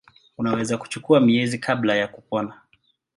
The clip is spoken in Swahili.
Unaweza kuchukua miezi kabla ya kupona.